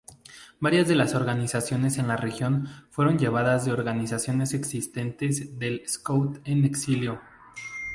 Varias de las organizaciones en la región fueron llevadas de organizaciones existentes del scouts-en-Exilio.